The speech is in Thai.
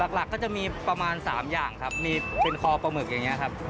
หลักก็จะมีประมาณ๓อย่างครับมีเป็นคอปลาหมึกอย่างนี้ครับ